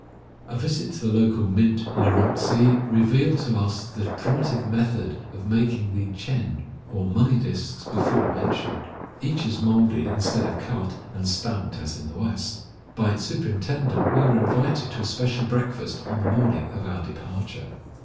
A visit to the local mint in Urumtsi revealed to us the primitive method of making the chen, or money disks before mentioned. Each is molded instead of cut and stamped as in the West. By its superintendent we were invited to a special breakfast on the morning of our departure.